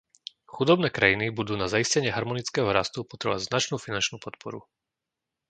Chudobné krajiny budú na zaistenie harmonického rastu potrebovať značnú finančnú podporu.